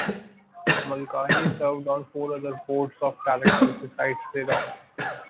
Mulcahy served on four other Boards of Directors besides Xerox.